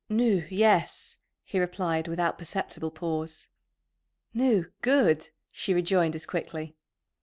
"Nu, yes," he replied, without perceptible pause. "Nu, good!" she rejoined as quickly.